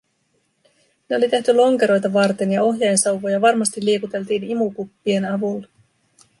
Ne oli tehty lonkeroita varten, ja ohjainsauvoja varmasti liikuteltiin imukuppien avulla.